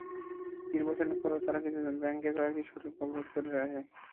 নির্বাচনের পরেও তারা কিছুদিন ব্যাংককের কয়েকটি সড়ক সংযোগ অবরোধ করে রাখে।